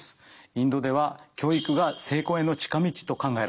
インドでは教育が成功への近道と考えられています。